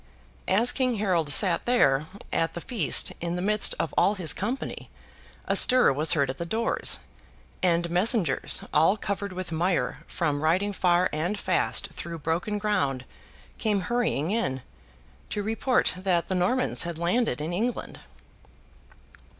As King Harold sat there at the feast, in the midst of all his company, a stir was heard at the doors; and messengers all covered with mire from riding far and fast through broken ground came hurrying in, to report that the Normans had landed in England.